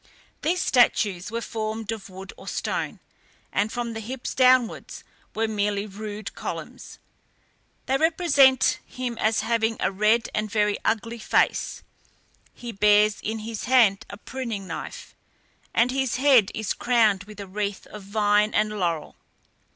These statues were formed of wood or stone, and from the hips downwards were merely rude columns. They represent him as having a red and very ugly face; he bears in his hand a pruning knife, and his head is crowned with a wreath of vine and laurel.